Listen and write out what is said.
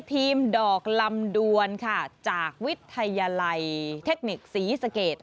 ดอกลำดวนค่ะจากวิทยาลัยเทคนิคศรีสเกต